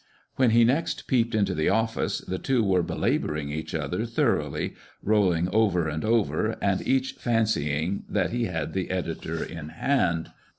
When he next peeped into the office, the two were belabouring each other thoroughly, rolling over and over, and each fancying that he had the editor in hand.